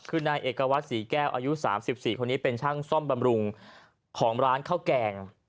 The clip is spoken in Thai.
คือนายเอกวัตรศรีแก้วอายุ๓๔คนนี้เป็นช่างซ่อมบำรุงของร้านข้าวแกง